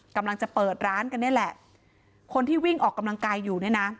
กำลังจะเปิดร้านกันนี่แหละคนที่วิ่งออกกำลังกายอยู่เนี่ยนะ